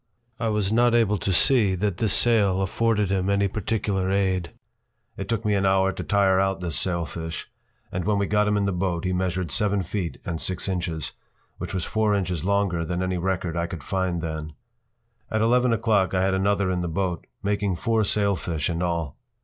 I was not able to see that this sail afforded him any particular aid. It took me an hour to tire out this sailfish, and when we got him in the boat he measured seven feet and six inches, which was four inches longer than any record I could find then. At eleven o’clock I had another in the boat, making four sailfish in all.